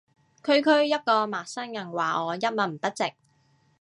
區區一個陌生人話我一文不值